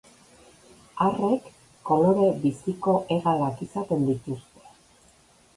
Arrek kolore biziko hegalak izaten dituzte.